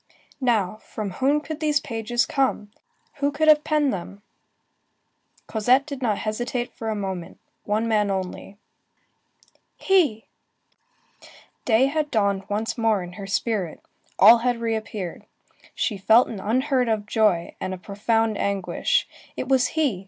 Now, from whom could these pages come? Who could have penned them? Cosette did not hesitate a moment. One man only. He! Day had dawned once more in her spirit; all had reappeared. She felt an unheard of joy, and a profound anguish. It was he!